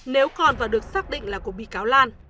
nếu còn và được xác định là của bị cáo lan